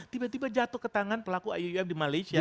tiba tiba jatuh ke tangan pelaku iuf di malaysia